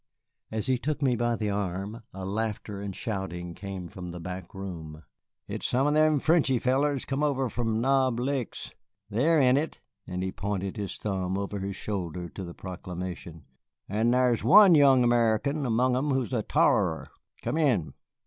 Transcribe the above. As he took me by the arm, a laughter and shouting came from the back room. "It's some of them Frenchy fellers come over from Knob Licks. They're in it," and he pointed his thumb over his shoulder to the proclamation, "and thar's one young American among 'em who's a t'arer. Come in."